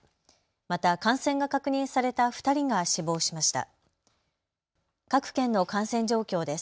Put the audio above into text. また感染が確認された２人が死亡しました。